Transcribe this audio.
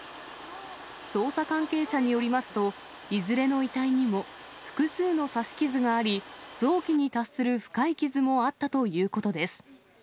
捜査関係者によりますと、いずれの遺体にも複数の刺し傷があり、臓器に達する深い傷もあったということです。